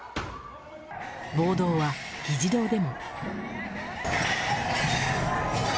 暴動は、議事堂でも。